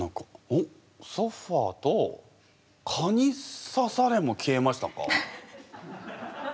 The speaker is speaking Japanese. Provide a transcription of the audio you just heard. おっ「ソファー」と「蚊にさされ」も消えましたか？